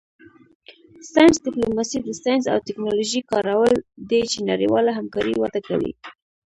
ساینس ډیپلوماسي د ساینس او ټیکنالوژۍ کارول دي چې نړیواله همکاري وده کوي